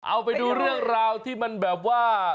เอาไปดูเรื่องราวที่มันแบบว่า